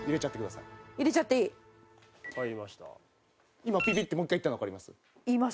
今ピピッてもう１回いったのわかります？